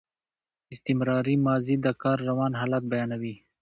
استمراري ماضي د کار روان حالت بیانوي.